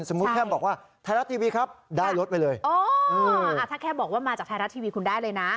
แค่บอกว่าไทยรัฐทีวีครับได้รถไปเลยอ๋ออ่าถ้าแค่บอกว่ามาจากไทยรัฐทีวีคุณได้เลยนะ